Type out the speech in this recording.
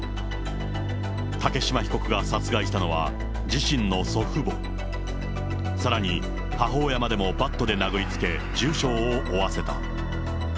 竹島被告が殺害したのは自身の祖父母、さらに、母親までもバットで殴りつけ、重傷を負わせた。